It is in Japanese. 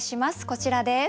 こちらです。